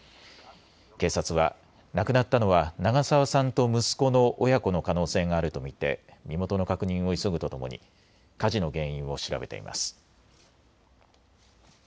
警察は亡くなったのは長澤さんと息子の親子の可能性があると見て身元の確認を急ぐとともに火事の原因を調べています。